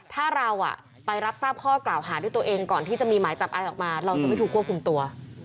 ถ้าเราไปรับทราบข้อกล่าวหาด้วยตัวเองก่อนที่จะมีหมายจับอะไรออกมาเราจะไม่ถูกควบคุมตัว